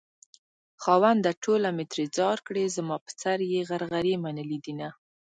خاونده ټوله مې ترې ځار کړې زما په سر يې غرغرې منلي دينه